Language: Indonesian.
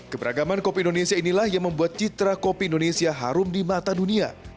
keberagaman kopi indonesia inilah yang membuat citra kopi indonesia harum di mata dunia